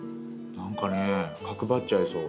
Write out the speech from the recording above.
なんかね角張っちゃいそう。